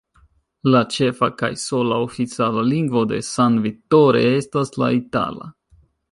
La ĉefa kaj sola oficiala lingvo de San Vittore estas la itala.